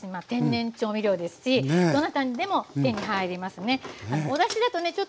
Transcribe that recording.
天然調味料ですしどなたにでも手に入りますね。